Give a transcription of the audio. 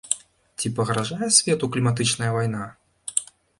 Ці пагражае свету кліматычная вайна?